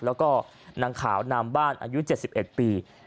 แล้วก็นางขาวนามบ้านอายุ๗๑ปี